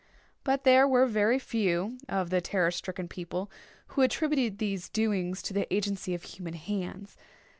But there were very few of the terror stricken people who attributed these doings to the agency of human hands.